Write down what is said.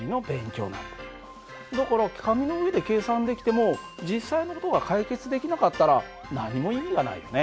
だから紙の上で計算できても実際の事が解決できなかったら何も意味がないよね。